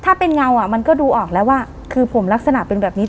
ถ้าเป็นเงาอ่ะมันก็ดูออกแล้วว่าคือผมลักษณะเป็นแบบนี้